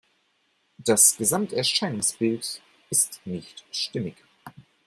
Das Gesamterscheinungsbild ist nicht stimmig.